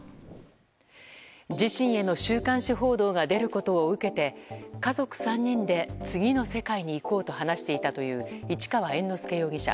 自身への週刊誌報道が出ることを受けて家族３人で次の世界に行こうと話していたという市川猿之助容疑者。